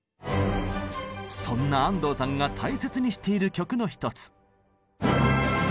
そんな安藤さんが大切にしている曲の一つ。